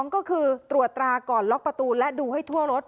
ก็คือตรวจตราก่อนล็อกประตูและดูให้ทั่วรถ